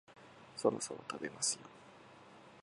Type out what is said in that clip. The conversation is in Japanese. そろそろ食べますよ